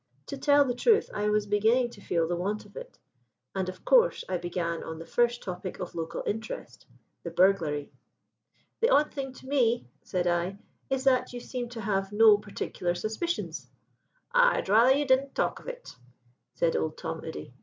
To tell the truth, I was beginning to feel the want of it, and of course I began on the first topic of local interest the burglary. "'The odd thing to me,' said I, 'is that you seem to have no particular suspicions.' "'I'd rather you didn' talk of it,' said Old Tom Udy.